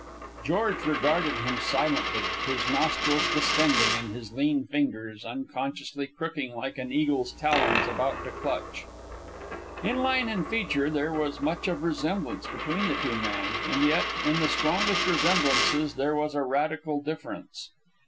George regarded him silently, his nostrils distending and his lean fingers unconsciously crooking like an eagle's talons about to clutch. In line and feature, there was much of resemblance between the two men; and yet, in the strongest resemblances there was a radical difference.